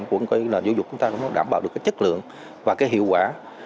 để làm giáo dục chúng ta đảm bảo được chất lượng và hiệu quả